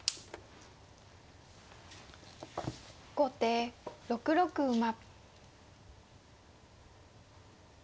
後手６六馬。